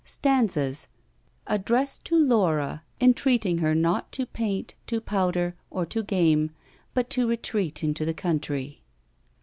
STANZAS ADDRESSED TO LAURA, ENTREATING HER NOT TO PAINT, TO POWDER, OR TO GAME, BUT TO RETREAT INTO THE COUNTRY.